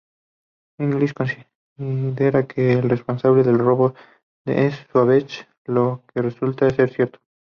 English considera que el responsable del robo es Sauvage, lo que resulta ser cierto.